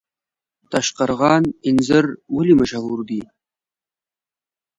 تاشقرغان انځر ولې مشهور دي؟